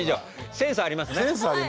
センスありますね。